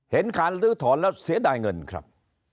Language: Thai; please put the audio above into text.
เห็นการลื้อถอนแล้วเสียดายเงินครับ